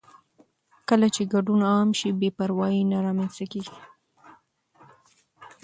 کله چې ګډون عام شي، بې پروايي نه رامنځته کېږي.